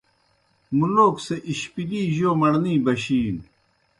مُلوک سہ اِشپِلِی جوْ مڑنے بشِینوْ۔